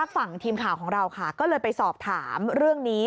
ฝั่งทีมข่าวของเราค่ะก็เลยไปสอบถามเรื่องนี้